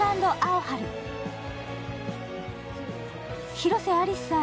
広瀬アリスさん